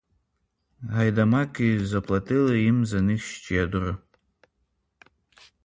Гайдамаки заплатили їм за них щедро.